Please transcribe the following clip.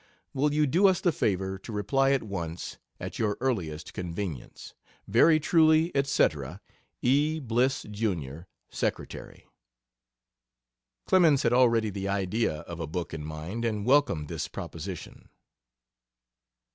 Will you do us the favor to reply at once, at your earliest convenience. Very truly, &c., E. BLISS, Jr. Secty. Clemens had already the idea of a book in mind and welcomed this proposition.